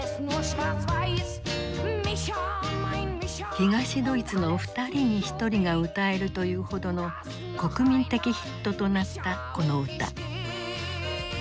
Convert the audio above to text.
東ドイツの２人に１人が歌えるというほどの国民的ヒットとなったこの歌。